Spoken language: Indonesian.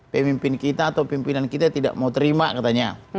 pemimpin kita atau pimpinan kita tidak mau terima katanya